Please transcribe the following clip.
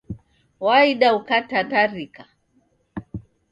Waida ukitatarika